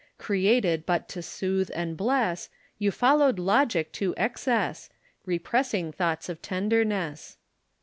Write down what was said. Created but to soothe and bless, You followed logic to excess, Repressing thoughts of tenderness.